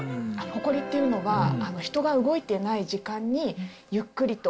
ほこりっていうのは、人が動いていない時間にゆっくりと。